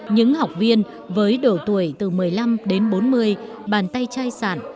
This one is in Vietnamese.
những học viên với độ tuổi từ một mươi năm đến bốn mươi bàn tay chai sản